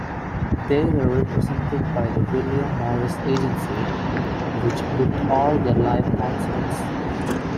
They were represented by the William Morris Agency, which booked all their live concerts.